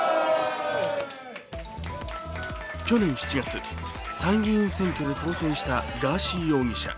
去年７月、参議院選挙で当選したガーシー容疑者。